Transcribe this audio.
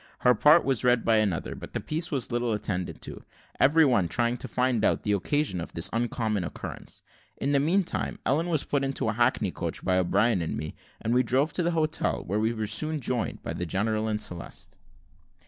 Her part was read by another, but the piece was little attended to, every one trying to find out the occasion of this uncommon occurrence. In the meantime, Ellen was put into a hackney coach by O'Brien and me, and we drove to the hotel, where we were soon joined by the general and Celeste.